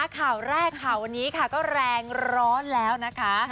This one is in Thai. ข่าวแรกข่าววันนี้ค่ะก็แรงร้อนแล้วนะคะ